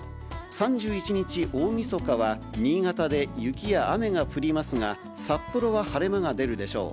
３１日大みそかは、新潟で雪や雨が降りますが、札幌は晴れ間が出るでしょう。